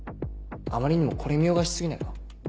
あまりにもこれ見よがし過ぎないか？